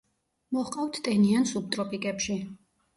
მოჰყავთ ტენიან სუბტროპიკებში.